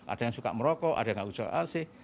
ada yang suka merokok ada yang nggak suka asih